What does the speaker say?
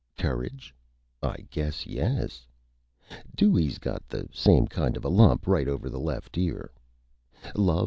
Courage? I guess yes! Dewey's got the same kind of a Lump right over the Left Ear.